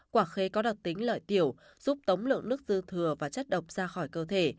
quả khế có đặc tính loại tiểu giúp tống lượng nước dư thừa và chất độc ra khỏi cơ thể